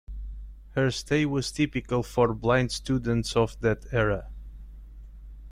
Her stay was typical for blind students of that era.